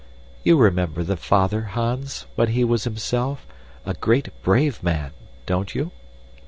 You remember the father, Hans, when he was himself a great brave man don't you?"